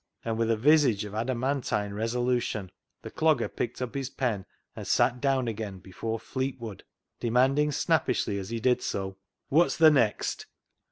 And with a visage of adamantine resolu tion, the Clogger picked up his pen and sat down again before " Fleetwood," demanding snappishly as he did so —" Wot's th' next